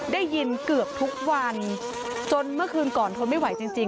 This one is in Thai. ได้ยินเกือบทุกวันจนเมื่อคืนก่อนทนไม่ไหวจริง